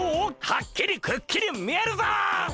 はっきりくっきり見えるぞっ！